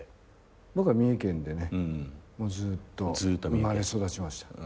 僕は三重県でねずっと生まれ育ちました。